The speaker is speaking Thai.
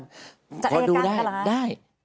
จะเอกรารกับลายขอดูได้